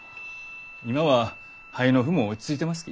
今は肺の腑も落ち着いてますき。